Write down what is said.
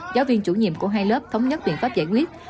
giáo viên chủ nhiệm của hai lớp thống nhất biện pháp giải quyết